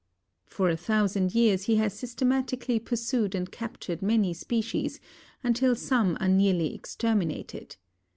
For a thousand years he has systematically pursued and captured many species, until some are nearly exterminated.